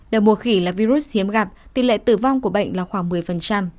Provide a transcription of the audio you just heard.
đầu mùa khỉ là virus hiếm gặp tỷ lệ tử vong của bệnh là khoảng một mươi